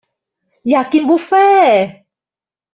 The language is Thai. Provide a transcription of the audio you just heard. อยากกินบุฟเฟ่